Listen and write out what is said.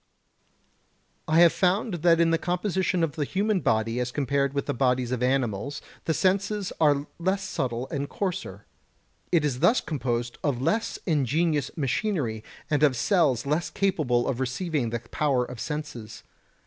I have found that in the composition of the human body as compared with the bodies of animals the senses are less subtle and coarser; it is thus composed of less ingenious machinery and of cells less capable of receiving the power of senses.